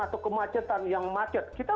atau kemacetan yang macet kita